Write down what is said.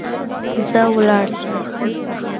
ځه ولاړ سه.